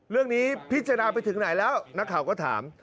เรื่องนี้พิจารณาไปถึงไหนแล้วนักข่าวก็ถาม